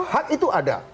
hak itu ada